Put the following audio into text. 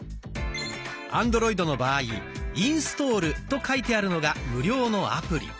アンドロイドの場合「インストール」と書いてあるのが無料のアプリ。